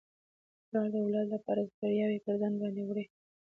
پلار د اولاد لپاره ستړياوي پر ځان باندي وړي.